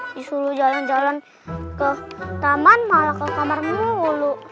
disuruh jalan jalan ke taman malah ke kamar dulu